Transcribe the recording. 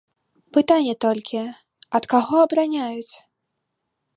Пытанне толькі, ад каго абараняць?